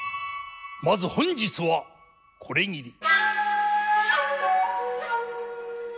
まず本日はこれぎり。